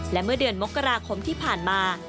และเมื่อเดือนมกราคมที่ผ่านมา